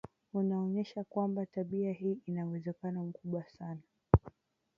unaonyesha kwamba tabia hii ina uwezekano mkubwa sana